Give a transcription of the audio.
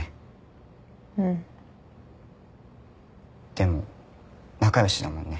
でも仲良しだもんね。